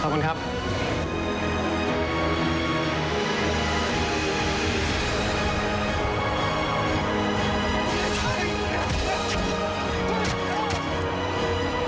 ขอบคุณครับ